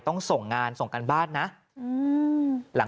ต้องส่งงานส่งการบ้านนะ